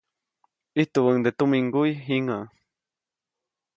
Ijtubäʼuŋnde tuminŋguy jiŋäʼ.